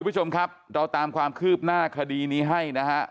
คุณผู้ชมครับเราตามความคืบหน้าคดีนี้ให้นะฮะ